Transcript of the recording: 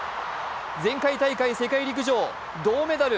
前回大会世界陸上銅メダル